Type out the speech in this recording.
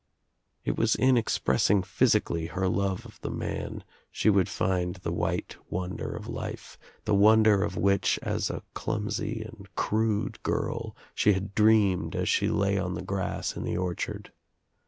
It was in expressing physically her love of the man she would find the white wonder of life, the wonder of which, as a clumsy and crude girl, she had dreamed OUT OF NOWHERE INTO NOTHING 25^ ■» she lay on the grass in the orchard.